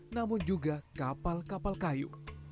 namun juga kapal kapal kayu